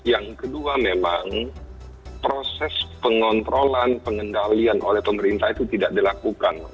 yang kedua memang proses pengontrolan pengendalian oleh pemerintah itu tidak dilakukan